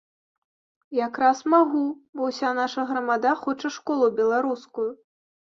Якраз магу, бо ўся наша грамада хоча школу беларускую!